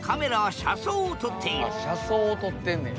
車窓を撮ってんねや。